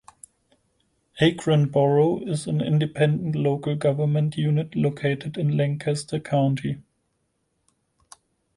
Akron borough is an independent local government unit located in Lancaster County.